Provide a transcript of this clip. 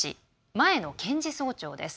前の検事総長です。